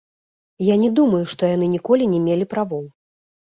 Я не думаю, што яны ніколі не мелі правоў.